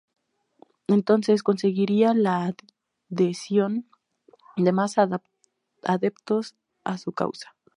Entonces conseguiría la adhesión de más adeptos a su causa.